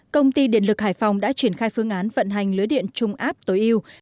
công ty điện lực hải phòng đã triển khai phương án vận hành lưới điện trung áp tối yêu